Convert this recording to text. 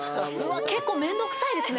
結構めんどくさいですね。